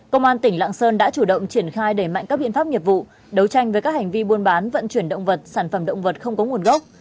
công an tỉnh lạng sơn đã chủ động triển khai đẩy mạnh các biện pháp nghiệp vụ đấu tranh với các hành vi buôn bán vận chuyển động vật sản phẩm động vật không có nguồn gốc